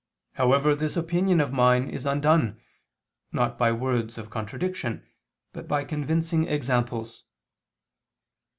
However this opinion of mine is undone, not by words of contradiction, but by convincing examples.